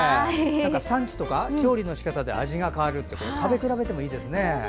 産地とか調理のしかたで味が変わるって食べ比べてもいいですね。